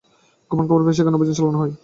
গোপন খবর পেয়ে সেখানে অভিযান চালানো হয়।